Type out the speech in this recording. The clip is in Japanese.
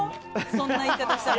そんな言い方したら。